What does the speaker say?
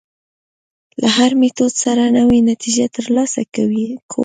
له هر میتود سره نوې نتیجې تر لاسه کوو.